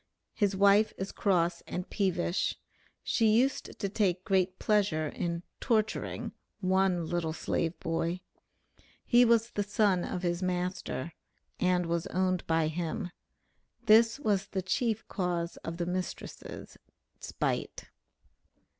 'His wife is cross and peevish.' She used to take great pleasure in 'torturing' one 'little slave boy.' He was the son of his master (and was owned by him); this was the chief cause of the mistress' spite."